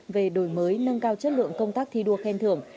về đổi mới nâng cao chất lượng công tác thi đua khen thưởng